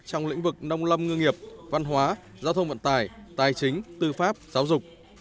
trong lĩnh vực nông lâm ngư nghiệp văn hóa giao thông vận tải tài chính tư pháp giáo dục